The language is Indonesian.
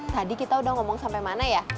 tadi kita udah ngomong sampai mana ya